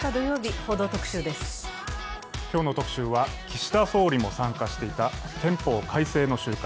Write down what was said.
今日の特集は岸田総理も参加していた憲法改正の集会。